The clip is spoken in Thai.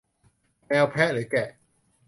แมว แพะ หรือแกะ